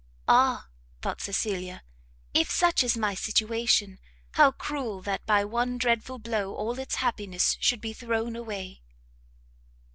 Ah, thought Cecilia, if such is my situation, how cruel that by one dreadful blow all its happiness should be thrown away!